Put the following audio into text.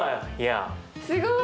すごい！